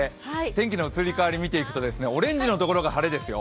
天気の移り変わり見ていきますと、オレンジのところが晴れですよ。